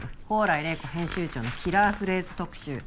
「宝来麗子編集長のキラーフレーズ特集！！」